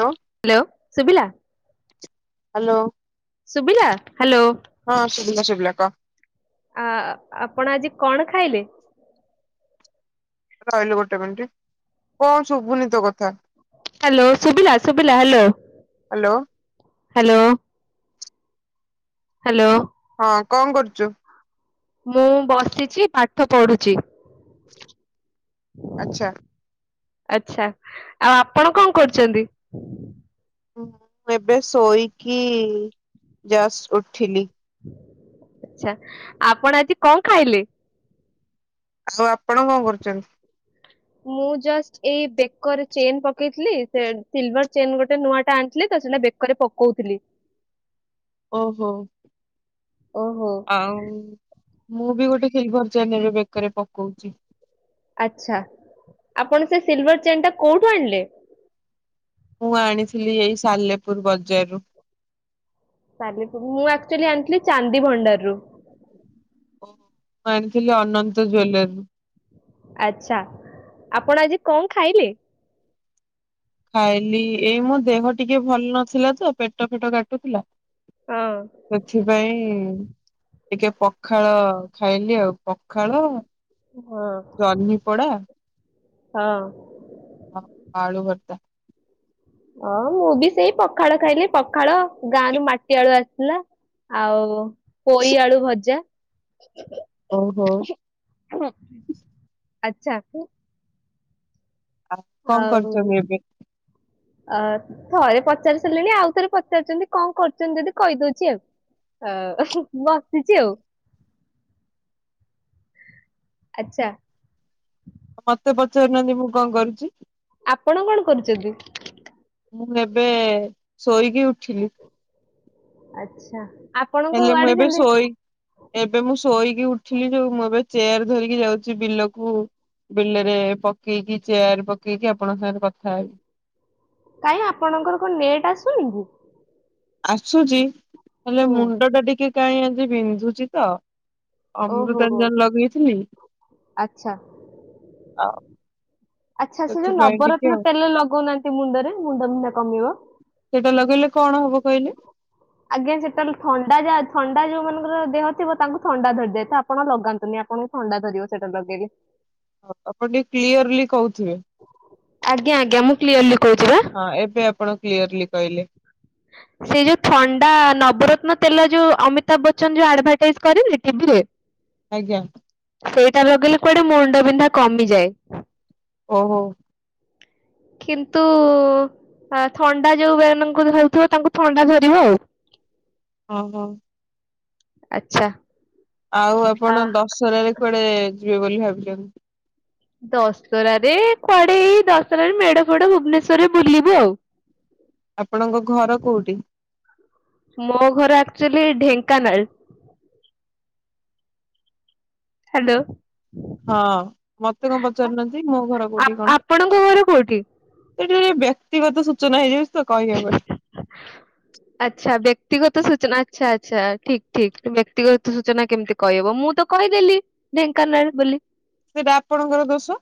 ହଁ। ହାଲୋ ଶୁଭିଲା। ହ୍ୟାଲୋ ଶୁଭିଲା। ହାଲୋ। ହଁ ଶୁଭିଲା ଶୁଭିଲା କହ। ଆ ଆପଣ ଆଜି କଣ ଖାଇଲେ। ରହିଲୁ ଗୋଟେ ମିଣ୍ଟି କଣ ଶୁଭୁନି ତୋ କଥା। ହାଲୋ ଶୁଭିଲା ଶୁଭିଲା ହାଲୋ ହ୍ୟାଲୋ ହାଲୋ। ହାଲୋ। ହଁ କଣ କରୁଛୁ। ମୁଁ ବସିଛି ପାଠ ପଢୁଛି। ଆଚ୍ଛା ଆଚ୍ଛା ଆଉ ଆପଣ କଣ କରୁଛନ୍ତି। ମୁଁ ଏବେ ଶୋଇକି ଜଷ୍ଟ ଉଠିଲି। ଆଚ୍ଛା ଆପଣ ଆଜି କଣ ଖାଇଲେ। ହାଲୋ ଆପ ଆପଣ କଣ କରୁଛନ୍ତି। ମୁଁ ଜଷ୍ଟ ଏଇ ବେକରେ ଚେନ ପକେଇଥିଲି ସେ ସିଲଭର ଚେନ ଗୋଟେ ନୂଆ ଟା ଆଣିଥିଲି ତ ସେଟା ବେକରେ ପକଉଥିଲି। ଓହୋ ଓହୋ ଆଉ। ମୁଁ ବି ଗୋଟେ ସିଲଭର ଚେନ ଏବେ ବେକରେ ପକଉଛି। ଆଚ୍ଛା ଆପଣ ସେ ସିଲଭର ଚେନ୍ ଟା କୋଉଠୁ ଆଣିଲେ। ମୁଁ ଆଣିଥିଲି ଏଇ ସାଲେପୁର ବଜାରରୁ। ସାଲେପୁର ମୁଁ ଆକଚୁଆଲି ଆଣିଥିଲି ଚାନ୍ଦି ଭଣ୍ଡାରରୁ। ଆଣିଥିଲେ ଅନନ୍ତ ଜ୍ୱେଲେର। ଆଚ୍ଛା ଆପଣ ଆଜି କଣ ଖାଇଲେ। ଖାଇଲି ଏଇ ମୋ ଦେହ ଟିକେ ଭଲ ନଥିଲା ତ ପେଟ ଫେଟ କାଟୁଥିଲା। ହଁ ସେଥିପାଇଁ। ଟିକେ ପଖାଳ ଖାଇଲି ଆଉ। ପଖାଳ ହଁ ଜହ୍ନିପୋଡା। ହଁ। ହଁ ଆଳୁ ଭର୍ତ୍ତା। ହଁ ମୁଁ ବି ସେଇ ପଖାଳ ଖାଇଲି ପଖାଳ ଗାଁରୁ ମାଟି ଆଳୁ ଆସଥିଲା ଆଉ। ପୋଇ ଆଳୁ ଭଜା। ଓ ହୋ। ଆଚ୍ଛା। ଆଉ ଙ୍କ ଆଉ କରୁଛନ୍ତି ଏବେ। ଅ ଥରେ ପଚାରି ସାରିଲିଣି ଆଉଥରେ ପଚାରୁଛନ୍ତି କଣ କରୁଛନ୍ତି ଯଦି କହିଦଉଛି ଆଉ ଆ ବସିଛି ଆଉ। ଆଚ୍ଛା ମତେ ପଚାରୁନାହାନ୍ତି ମୁଁ କଣ କରୁଛି କି ଆପଣ କଣ କରୁଛନ୍ତି ମୁଁ ଏବେ ଶୋଇକି ଉଠିଲି ଆଚ୍ଛା ଆପଣଙ୍କ ହେଲେ ମୁଁ ଆଡେ ଏବେ ସେମିତି ଶୋଇ ଏବେ ମୁଁ ଶୋଇକି ଉଠିଲି ଯୋଉ ମୁଁ ଏବେ ଚେୟାର ଧରିକି ଯାଉଛି ବିଲକୁ ବିଲରେ ପକେଇକି ଚେୟାର ପକେଇକି ଆପଣଙ୍କ ସାଙ୍ଗରେ କଥା ହେବି କାଇଁ ଆପଣଙ୍କର କଣ ନେଟ୍ ଆସୁନି କି ଆସୁଛି ହେଲେ ହୁଁ ମୁଣ୍ଡ ଟା ଟିକେ କାଇଁ ଆଜି ବିନ୍ଧୁଛି ତ ଓହୋ ଅମୃତାଞ୍ଜନ ଲଗେଇଥିଲି ଆଚ୍ଛା। ଆଉ ଆଚ୍ଛା ସେ ଯୋଉ ସେଥିପାଇଁ ଟିକେ ନବରତ୍ନ ଆଉ ତେଲ ଲଗଉନାହାନ୍ତି ମୁଣ୍ଡରେ ମୁଣ୍ଡ ବିନ୍ଧା କମିବ ସେଇଟା ଲଗେଇଲେ କଣ ହବ କହିଲେ? ଆଜ୍ଞା ସେଟା ଥଣ୍ଡା ଯେ ଥଣ୍ଡା ଥଣ୍ଡା ଯୋଉ ମାନଙ୍କର ଦେହ ଥିବ ତାଙ୍କୁ ଥଣ୍ଡା ଧରିଦିଏ ତ ଆପଣ ଲଗାନ୍ତୁନି ଆପଣଙ୍କୁ ଥଣ୍ଡା ଧରିବ ସେଇଟା ଲଗେଇଲେ ହ ଆପଣ ଟିକେ କ୍ଲିୟରଲି କହୁ [unintelligible] ଆଜ୍ଞା ଆଜ୍ଞା ମୁଁ କ୍ଲିୟରଲି କହୁଛି ବା ହଁ ଏବେ ଆପଣ କ୍ଲିଅରଲି କହିଲେ। ସେ ଯୋଉ ଥଣ୍ଡା ନବରତ୍ନ ତେଲ ଯୋଉ ଅମିତାଭ ବଚ୍ଚନ ଯୋଉ ଆଡଭାଟାଇଜ କରିନି ଟିଭିରେ ଆଜ୍ଞା। ସେଇଟା ବଗେଇଲେ କୁଆଡେ ମୁଣ୍ଡ ବିନ୍ଧା କମିଯାଏ। ଓହୋ। କିନ୍ତୁ ଥଣ୍ଡା ଯୋଉ ବାନଙ୍କୁ ଧରି ତୁ ତାଙ୍କୁ ଥଣ୍ଡା ଧରିବ ଆଉ। ଓହୋ। ଆଚ୍ଛା। ଆଉ ଆ ଆପଣ ଦଶହରାରେରେ କୁଆଡେ ଯିବେ ବୋଲି ଭାବି। [unintelligible] ଦଶରାରେ କୁଆଡେ ହେଇ ଦଶରାରେ ମେଢ ଫେଡ ଭୁବନେଶ୍ବର ରେ ବୁଲିବି ଆଉ। ଆପଣଙ୍କ ଘର କୋଉଠି ମୋ ଘର ଆକ୍ଚୁଆଲି ଢେଙ୍କାନାଳ ହ୍ୟାଲୋ। ହଁ ମତେ କଣ ପଚାରୁନାହାନ୍ତି ମୋ ଘର କୋଉଠି କଣ ଆପଣଙ୍କ ଘର କୋଉଠି ଏଠି ବ୍ୟକ୍ତିଗତ ସୁଚ ତୁ ନାହିଁ। ଆଚ୍ଛା ବ୍ୟକ୍ତିଗତ ସୁଚ ଆଚ୍ଛା ଆଚ୍ଛା ଠିକ ଠିକ ବ୍ୟକ୍ତିଗତ ସୂଚନା କେମିତି କହିହବ ମୁଁ ତ କହିଦେଲି ଢେଙ୍କାନାଳ ବୋଲି। ସେଟା ଆପଣଙ୍କର ଦୋଷ।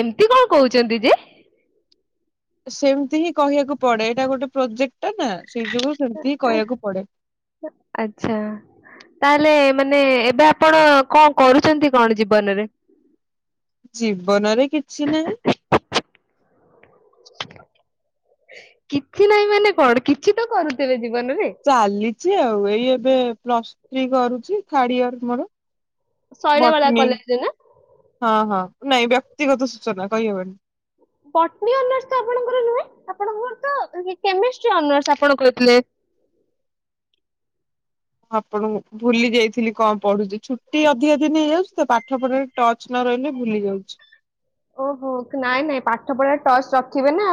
ଏମିତି କଣ କହୁଛନ୍ତି ଯେ ସେମିତି ହିଁ କହିବାକୁ। ପଡେ ଏଇଟା ଗୋଟେ ପ୍ରୋଜେକ୍ଟ ଟା ନା ସେଇ ଯୋଗୁ ସେମିତି ହିଁ ଆ- କହିବାକୁ ପଡେ। ତାହଲେ ମାନେ ଏବେ ଆପଣ କଣ କରୁଛନ୍ତି କଣ ଜୀବନରେ। ଜୀବନରେ କିଛି ନାହିଁ। କିଛି ନାଇଁ ମାନେ କଣ କିଛି ତ କରୁଥିବେ। ଜୀବନରେ ଚାଲିଲିଛି ଆଉ ଏଇ। ଏଇ ଏବେ ପ୍ଲସ ଥ୍ରୀ କରୁଛି ଥାର୍ଡ ଇୟର ମୋର। ଶୈଳବାଳା ବଟ୍ନୀ କଲେଜରେ ନା ହଁ ହଁ ନାଇଁ। [unintelligible] ବଟନୀ ଅନର୍ସ ତ ଆପଣ ଙ୍କ ର ନୁହେଁ ଆପଣ ଙ୍କ ର ତ କେମେଷ୍ଟ୍ରି ଅନର୍ସ ଆପଣ କହିଥିଲେ। ଆପଣଙ୍କୁ ଭୁଲି ଯାଇଥିଲି କଣ ପଢୁଛି। ଛୁଟି ଅଧିକା ଦିନ ହେଇଯାଉଛି। ତ ପାଠ ପଢରେ ଟଚ ନ ରହିଲେ ଭୁଲି ଯାଉଛି। ଓହୋ ନାଇଁ ନାଇଁ ପାଠ ପଢା ଟଚ୍ଚ ରଖିବେ ନା।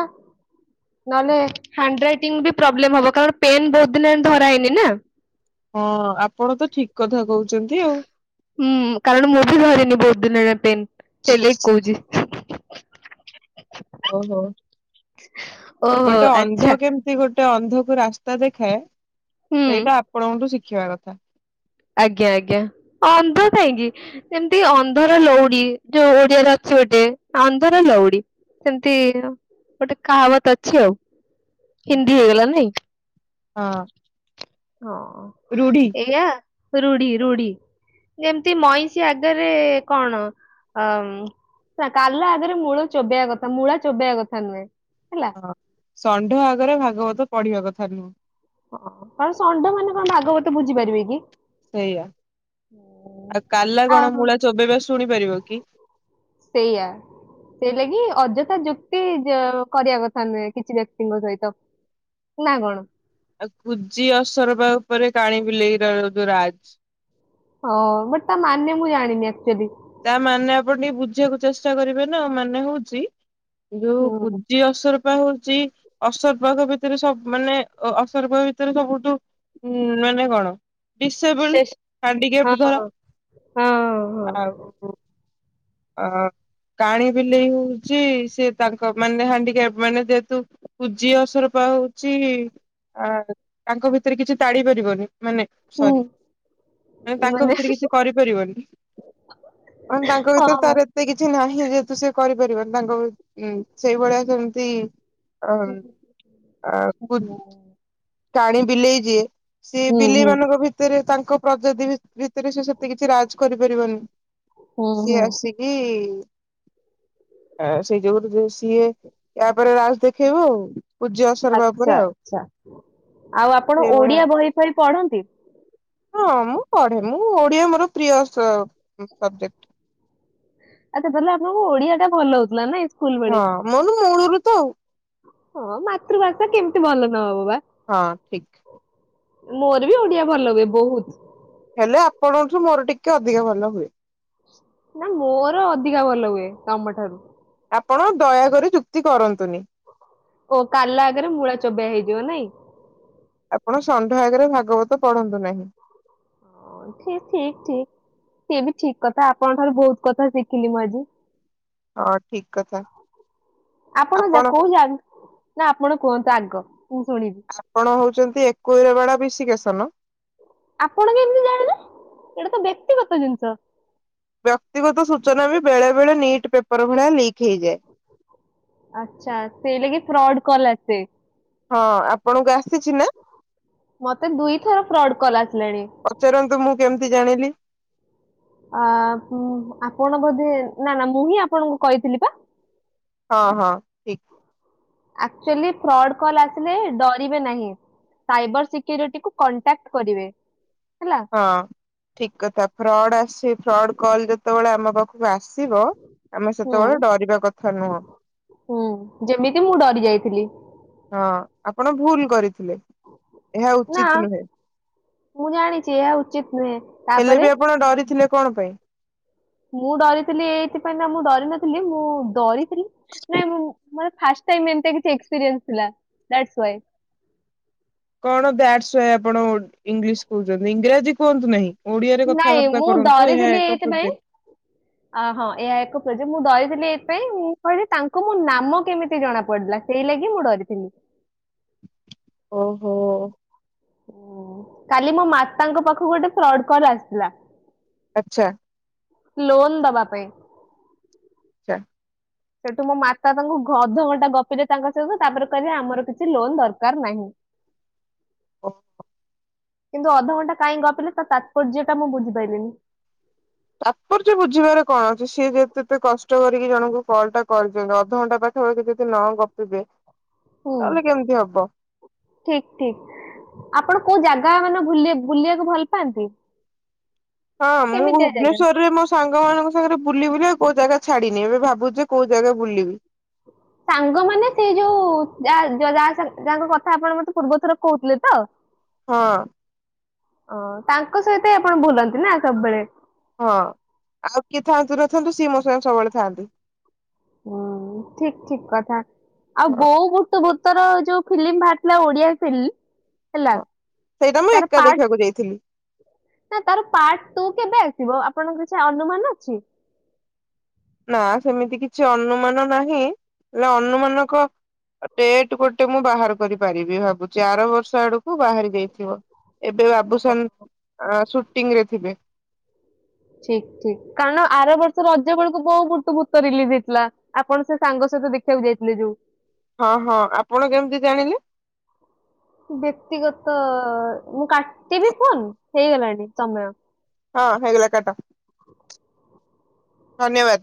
ନହେଲେ ହ୍ୟାଣ୍ଡରାଇଟିଂ ବି ପ୍ରୋବ୍ଲେ ହବ କାରଣ ପେନ୍ ବହୁତ ଦିନ ଧହଇନି ନା। ହଁ ଆପଣ ତ ଠିକ କଥା କହୁ। ହୁଁ କାରଣ ମୁଁ ବି ଘରେ। [unintelligible] ହେଲେ କହୁଛି। [unintelligible] ଓ ହୋ। ଓହୋ ଗୋଟେ ଅନ୍ଧ ଆଚ୍ଛା କେମିତି ଗୋଟେ ଅନ୍ଧ। କୁ ରାସ୍ତା ଖାଏ। ହୁଁ ସେଇଟା ଆପଣଙ୍କ ଠୁ ସି। ଶିଖିବା କଥା। ଆଜ୍ଞା ଆଜ୍ଞା ଅନ୍ଧ କାହିଁକି। ଯେମିତି ଅନ୍ଧର ଲଉଡି ଯୋଉ ଓଡିଆରେ ଅଛି ଗୋଟେ। ଅନ୍ଧର ଲଉଡ଼ି। ସେମିତି ଗୋଟେ କାହାବତ୍‌ ଅଛି ଆଉ। ହିନ୍ଦୀ ହେଇଗଲା ନାଇଁ। ହଁ ହଁ ରୁଢି ଏୟା। ରୁଢି ରୁଢି ଯେମିତି ମଇଁଷି ଆଗରେ କଣ। ଆମ୍ କାଲା ଆଗରେ ମୂଳା ଚୋବେଇବା କଥା ମୂଳା ଚୋବେଇବା କଥା ନୁହେଁ। ହେଲା। ହଁ। ଷଣ୍ଢ ଆଗରେ ଭାଗବତ ପଢିବା କଥା ନୁହଁ। କଣ ଷଣ୍ଢ ମାନେ କଣ ଭାଗବତ ବୁଝିପାରିବେ କି? ସେଇଆା ଆଉ କାଲା କଣ ମୂଳା ଚୋବେଇବା। ଶୁଣି ପାରିବ କି? ସେଇଆା ସେଇ ଲାଗି ଅଯ। ଯୁକ୍ତି କରିବା କଥା ନୁହେଁ। କିଛି ବ୍ୟକ୍ତିଙ୍କ ସହିତ ନା କଣ। ଆଉ କୁଜି ଅସରପା ଉପରେ କାଣି ବୁଲେଇ ର ରାଜ। ହଁ ବଟ ତା ମାନେ ମୁଁ ଜାଣିନି ଆକ୍ଚୁଲି। ତା ମାନେ ଆପଣ ଟିକେ ବୁଝିବାକୁ ଚେଷ୍ଟା କରିବେ ନା ମାନେ ହଉଛି ଯୋଉ ହୁଁ। କୁଜି ଅସରପା ହଉଛି ଅସରପାଙ୍କ ଭିତରେ ସବୁ ମାନେ ଅସରପା ଭିତରେ ସବୁଠୁ ଉ ମାନେ କଣ? ଡିସେବଲ ସେ ହାଣ୍ଡିକ୍ୟାପ୍ ହଁ ଧର ହଁ ହଁ। ଆଉ ଅ କାଣି ବିଲେଇ ହଉଛି ସେ ତାଙ୍କ ମାନେ ହାଣ୍ଡିକାପ ମାନେ ଯେହେତୁ କୁଜି ଅସରପା ହଉଛି ଆ ତାଙ୍କ ଭିତରେ କିଛି ତାଡି ପାରିବନି ମାନେ ହୁଁ ସରି ମାନେ ତାଙ୍କ ଭିତରେ କିଛି କରିପାରିବନି ମାନେ ତାଙ୍କ ଭିତରେ ହଁ। ତାର ଏତେ କିଛି ନାହିଁ ଯେ ତୁ ସେ କରିପାରିବୁ ତାଙ୍କ ଉଁ ସେଇଭଳିଆ ସେମତି ଆ ହୁଁ ଆ କୁଜି କାଣି ବିଲେଇ ଯିଏ ସେ ହୁଁ ବିଲେଇ ହୁଁ ମାନଙ୍କ ଭିତରେ ତାଙ୍କ ପ୍ରଜାତି ଭିତରେ ସେ ସେତେ କିଛି ରାଜ କରିପାରିବନି। ହୁଁ ସିଏ ହୁଁ ଆସିକି ହଁ ସେଇ ଯୁଗୁରେ ସେ ଇଏ ୟା ଉପରେ ରାଜ୍ ଦେଖେଇବ ଆଉ । ଆଚ୍ଛା ଆଚ୍ଛା। ଆଉ ଆପଣ ସେଇଭଳିଆ ଓଡିଆ ବହି ଫହି ପଢନ୍ତି? ହଁ ମୁଁ ପଢେ ମୁଁ ଓଡିଆ ମୋର ପ୍ରିୟ ସବଜେକ୍ଟ । ଆଚ୍ଛା ତାହେଲେ ଆପଣଙ୍କୁ ଓଡିଆ ଟା ଭଲ ହଉଥିଲା ନାଇଁ ହଁ ମନୁ ମୂଳୁରୁ ତ ଆଉ। ହଁ ମାତୃଭାଷା କେମିତି ଭଲ ନହବ ବା । ହଁ ଠିକ। ମୋର ବି ଓଡିଆ ଭଲ ହୁଏ ବହୁତ। ହେଲେ ଆପଣଙ୍କଠୁ ମୋର ଟିକେ ଅଧିକ ଭଲ ହୁଏ । ନା ମୋର ଅଧିକା ଭଲ ହୁଏ ତମଠାରୁ । ଆପଣ ଦୟାକରି ଯୁକ୍ତି କର ଓ କାଲ ଆଗରେ ମୂଳା ଚୋବେଇଆ ହେଇଯିବ ନାଇଁ। ଆପଣ ଷଣ୍ଢ ଆଗରେ ଭାଗବତ ପଢନ୍ତୁ ନାହିଁ। ଠିକ ଠିକ ଠିକ ସେ ବି ଠିକ କଥା ଆପଣଙ୍କ ଠାରୁ ବହୁତ କଥା ଶିଖିଲି ମୁଁ ଆଜି। ହଁ ଠିକ କଥା। ଆପଣ ଯ କୋଉ ଯ ନା ଆପଣ କୁହନ୍ତୁ ଆଗ। ମୁଁ ଶୁଣିବି ଆପଣ ହଉଛନ୍ତି ଏକୋଇର ବାଳା ବିଶିକେସନ ଆପଣ କେମିତି ଜାଣିଲେ ଏଇଟା ତ ବ୍ୟକ୍ତିଗତ ଜିନିଷ । ବ୍ୟକ୍ତିଗତ ସୂଚନା ବି ବେଳେ ବେଳେ ନିଟ୍ ପେପର ଭଳିଆ ଲିକ୍ ହେଇଯାଏ। ଆଚ୍ଛା ତେଣିକି ଫ୍ରଡ କଲା ସେ ହଁ ଆପଣଙ୍କୁ ଆସିଛି ନା ମତେ ଦୁଇଥର ଫ୍ରଡ୍ କଲ୍ ଆସିଲାଣି [inaudible] ପଚାରନ୍ତୁ ମୁଁ କେମିତି ଜାଣିଲି ଆ ଆପଣ ବୋଧେ ନା ନା ମୁଁ ହିଁ ଆପଣଙ୍କୁ କହିଥିଲି ପା ହଁ ହଁ ଠିକ। ଆଚୁଆଲି ଫ୍ରଡ କଲ ଆସିଲେ ଡରିବେ ନାହିଁ ସାଇବର ସିକ୍ୟରିଟି କୁ କଣ୍ଟାକ୍ଟ କରିବେ। [inaudible] ହଁ ଠିକ କଥା ଫ୍ରଡ ସେ ଫ୍ରଡ କଲ ଯେତେବେଳେ ଆମ ପାଖକୁ ଆସିବ ଆମେ ହୁଁ ସେତେବେଳେ ଡରିବା କଥା ନୁହଁ। ହୁଁ ଯେମିତି ମୁଁ ଡରି ଯାଇଥିଲି [inaudible] ହଁ ଆପଣ ଭୁଲ କରି ନା ମୁଁ ଜାଣିଛି ଏ ଉଚିତ ନୁହେଁ ହେଲେ ତାପରେ ବି ଆପଣ ଡରିଥିଲେ କଣ ପେ ମୁଁ ଡରିଥିଲି ଏଇଥିପାଇଁ ନା ମୁଁ ଡରି ନଥିଲି ମୁଁ ଡରି ନାଇଁ ମୁଁ ମ ମାନେ ଫାଷ୍ଟ ଟାଇମ ଏମିତି କିଛି ଏକ୍ସପିରିଏନ୍ସ ଥିଲା ଡ୍ୟାଟ୍ସ ହ୍ୟାଏ କଣ ଦ୍ୟାସ ଓୟେ ଆପଣ ଇଂଲିଶ କହୁଛନ୍ତି ଇଂରାଜୀ କୁହନ୍ତୁ ନାହିଁ ଓଡିଆରେ ନାଇଁ କଥାବାର୍ତ୍ତା ମୁଁ କରନ୍ତୁ ଏହା ଡରିଥିଲି ଏକ ଏଇଥିପାଇଁ ପ୍ରୋଜେକ୍ଟ। ଅ ହଁ ଏହା ଏକ ପ୍ର ମୁଁ ଡରିଥିଲି। ମୁଁ କହିଲି ଏଥିପାଇଁ ମୁଁ କହିଲି ତାଙ୍କୁ ମୋ ନାମ କେମିତି ଜଣା ପଡିଲା ସେଇ ଲାଗି ମୁଁ ଡରିଥିଲି। ଓହୋ କାଲି ମୋ ମାତାଙ୍କ ପାଖକୁ ଗୋଟେ ଫ୍ରଡ କଲ ଆସିଥିଲା। ଆଚ୍ଛା ଲୋନ୍ ଦେବା ପାଇଁ ଆଚ୍ଛା। ସେଠୁ ମୋ ମାତା ତାଙ୍କୁ ଅଧଘଣ୍ଟା ଗପିଲେ ତାଙ୍କ ସହିତ ତାପରେ କହିଲେ ଆମର କିଛି ଲୋନ ଦରକାର ନାହିଁ। ଓହୋ କିନ୍ତୁ ଅଧଘଣ୍ଟା କାହିଁକି ଗପିଲେ ତ ତାତ୍ପର୍ଯ୍ୟ ଟା ମୁଁ ବୁଝିପାରିଲିନି। ତାପର୍ଯ୍ୟ ବୁଝିବାରେ କଣ ଅଛି ସିଏ କେତେ କଷ୍ଟ କରିକି ଜଣଙ୍କୁ କଲ ଟା କରି ଅଧଘଣ୍ଟା ପାଖା ପାଖି ବେଳ ଯଦି ନ ଗପିବେ ହୁଁ ତାହେଲେ କେମିତି ହବ। ଠିକ ଠିକ ଆପଣ କୋଉ ଜାଗା ମାନେ ବୁଲିବାକୁ ଭଲ ପାଆନ୍ତି। ହଁ ମୁଁ କେମିତିଆ ଜାଗା ଭୁବନେଶ୍ୱର ରେ ମୋ ସାଙ୍ଗ ମାନଙ୍କ ସାଙ୍ଗରେ ବୁଲି ବୁଲି କୋଉ ଜାଗା ଛାଡିନି ଏବେ ଭାବୁଛି କୋଉ ଜାଗା ବୁଲିବି। ସାଙ୍ଗମାନେ ସେ ଯୋଉ ଯ ଯା ଯଙ୍କ କଥା ଆପଣ ମତେ ପୂର୍ବ ଥର କହୁଥିଲେ ତ ହଁ ଓ ତାଙ୍କ ସହିତ ଆପଣ ଭୁଲନ୍ତି ନା ସବୁବେଳେ ହଁ ଆଉ କିଏ ଥାନ୍ତୁ ନଥାନ୍ତୁ ସିଏ ମୋ ସିଏ ସବୁବେଳେ ଥାଆନ୍ତି। ହୁଁ ଠିକ ଠିକ କଥା ଆଉ ହଁ ବୋଉ ମ ତ ତର ଯୋଉ ଫିଲ୍ମ ବାହାରିଥିଲା ଓଡିଆ ଫିଲ୍ମ ହେଲା ହଁ ସେଇଟା ମୁଁ ତାର ଏକା ପ ଦେଖିବାକୁ ଯାଇଥିଲି। ନା ତାର ପାର୍ୁ ଥିବ ଆପଣଙ୍କର କିଛି ଅନୁମାନ ଅଛି ନା ସେମିତି କିଛି ଅନୁମାନ ନାହିଁ ହେଲେ ଅନୁମାନଙ୍କ ଡେଟ ଗୋଟେ ମୁଁ ବାହାର କରିପାରିବି ଭାବୁଛି ଆର ବର୍ଷ ଆଡକୁ ବାହାରି ଯାଇଥିବ ଏବେ ବାବୁସାନ ରେ ଥିବେ ଠିକ ଠିକ କାରଣ ଆର ବର୍ଷର ରଜ ବେେଳକୁ ବୁଉ ବୁତୁ ଭୂତ ରିଲିଜ ହେଇଥିଲା ଆପଣ ସେ ସାଙ୍ଗ ସହିତ ଦେଖିବାକୁ ଯାଇଥିଲେ ଯୋଉ ହଁ ହଁ ଆପଣ କେମିତି ଜାଣିଲେ ଅ ମୁଁ କାଟିବି ଫୁନ ହେଇଗଲାଣି ସମୟ ହଁ ହଗଲା କାଟା ଧନ୍ୟବାଦ